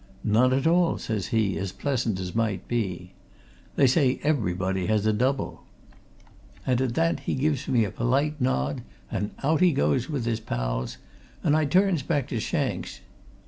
'None at all!' says he, as pleasant as might be. 'They say everybody has a double.' And at that he gives me a polite nod, and out he goes with his pals, and I turns back to Shanks.